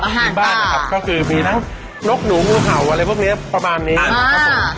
ในบ้านนะครับก็คือมีทั้งนกหนูงูเห่าอะไรพวกนี้ประมาณนี้นะครับผม